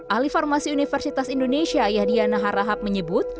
ahli farmasi universitas indonesia yahyana harahap menyebut